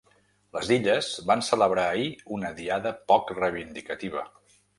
Les Illes van celebrar ahir una Diada poc reivindicativa.